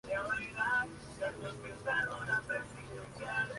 Tuvo la colaboración del cantautor chileno Manuel García en la voz principal.